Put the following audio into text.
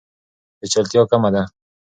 پیچلتیا کمه ده.